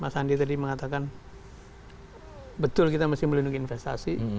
mas andi tadi mengatakan betul kita mesti melindungi investasi